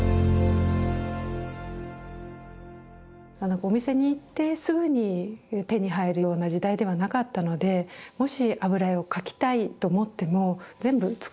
お店に行ってすぐに手に入るような時代ではなかったのでもし油絵を描きたいと思っても全部作る一から作るしかなかったと。